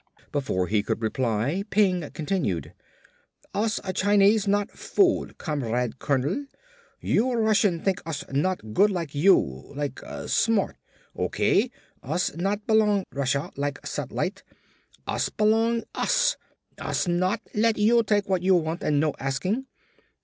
Before he could reply, Peng continued. "Us Chinese not fool, Comrade Colonel. You Russian think us not good like you, like smart. O.K. Us not b'long Russia like sat'lite. Us b'long us. Us not let you take what you want and no asking.